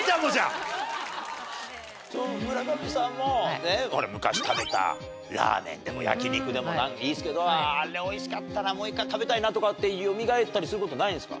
村上さんも昔食べたラーメンでも焼き肉でもなんでもいいですけどあれ美味しかったなもう一回食べたいなとかってよみがえったりする事ないんですか？